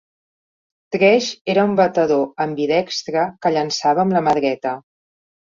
Tresh era un batedor ambidextre que llençava amb la mà dreta.